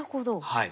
はい。